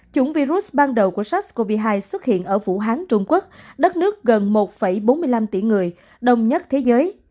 chủng virus ban đầu của sars cov hai xuất hiện ở vũ hán trung quốc đất nước gần một bốn mươi năm tỷ người đông nhất thế giới